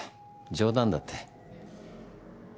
冗談だって。